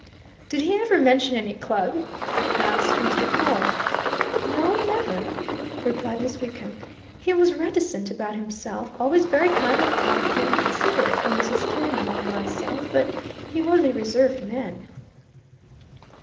"Did he ever mention any club?" asked Mr. Pawle. "No, never!" replied Miss Wickham. "He was reticent about himself always very kind and thoughtful and considerate for Mrs. Killenhall and myself, but he was a reserved man."